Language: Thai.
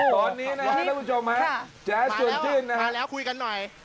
ตอนนี้นะครับทุกผู้ชมนะครับแจ๊สจวนจืนนะครับมาแล้วมาแล้วคุยกันหน่อย